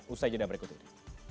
ustaz yedah berikut ini